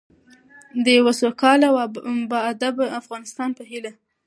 د یوه سوکاله او باادبه افغانستان په هیله.